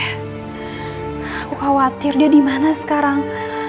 aku khawatir dia dimana sekarang